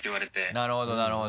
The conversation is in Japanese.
なるほどなるほど。